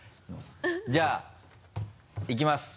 じゃあいきます。